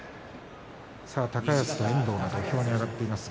高安と遠藤が土俵に上がっています。